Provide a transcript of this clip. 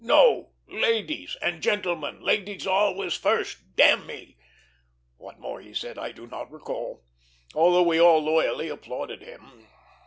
"No! Ladies and gentlemen ladies always first, d n me!" What more he said I do not recall, although we all loyally applauded him.